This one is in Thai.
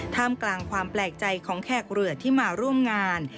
ท่ามกลางความแปลกใจของแขกเรือที่มาร่วมงาน